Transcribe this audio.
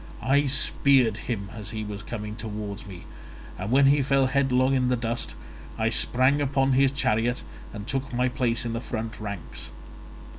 I speared him as he was coming towards me, and when he fell headlong in the dust, I sprang upon his chariot and took my place in the front ranks.